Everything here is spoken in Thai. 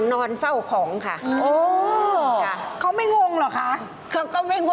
นอนใต้สะพานเลยค่ะ